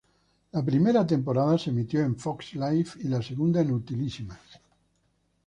La primera temporada se emitió en Fox Life y la segunda en Utilísima.